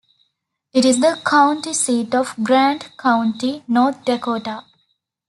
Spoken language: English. It is the county seat of Grant County, North Dakota.